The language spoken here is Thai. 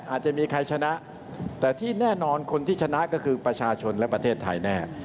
อาจจะมีใครชนะแต่ที่แน่นอนคนที่ชนะก็คือประชาชนและประเทศไทยแน่